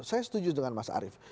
saya setuju dengan mas arief